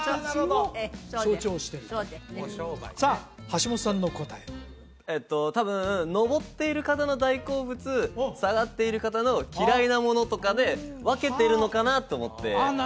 橋本さんの答え多分上っている方の大好物下がっている方の嫌いなものとかで分けてるのかなと思ってあっ